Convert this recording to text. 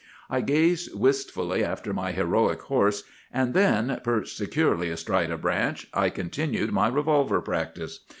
I gazed wistfully after my heroic horse, and then, perched securely astride a branch, I continued my revolver practice.